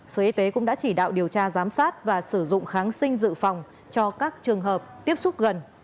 sở y tế cũng đã chỉ đạo điều tra giám sát và sử dụng kháng sinh dự phòng cho các trường hợp tiếp xúc gần